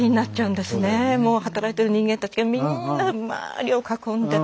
もう働いてる人間たちがみんな周りを囲んで。